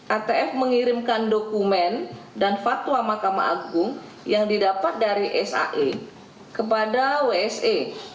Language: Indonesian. atf mengirimkan dokumen dan fatwa mahkamah agung yang didapat dari sae kepada wse